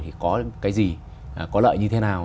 thì có cái gì có lợi như thế nào